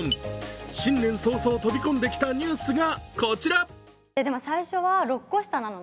新年早々飛び込んできたニュースが、こちら。